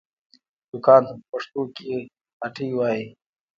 دوکان ته په پښتو کې هټۍ وايي